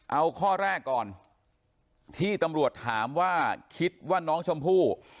เอาข้อแรกก่อนที่ตำรวจถามว่าคิดว่าน้องชมพู่